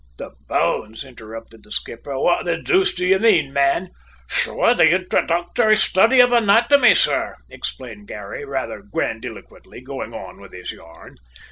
"The bones!" interrupted the skipper. "What the deuce do you mean, man?" "Sure, the inthroductory study of anatomy, sor," explained Garry rather grandiloquently, going on with his yarn.